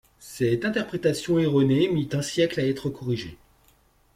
Cette interprétation erronée mit un siècle à être corrigée.